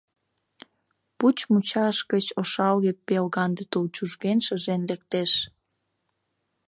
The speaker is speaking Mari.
Пуч мучаш гыч ошалге-пелганде тул чужген-шыжен лектеш.